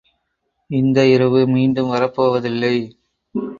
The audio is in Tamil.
இந்த இரவு மீண்டும் வரப்போவதில்லை.